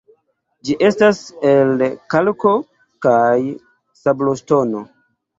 Ĝi estas el kalko- kaj sabloŝtono.